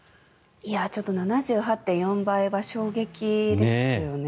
ちょっと７８．４倍は衝撃ですよね。